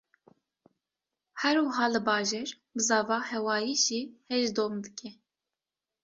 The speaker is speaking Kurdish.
Her wiha li bajêr, bizava hewayî jî hêj dom dike